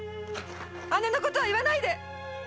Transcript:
姉の事は言わないで！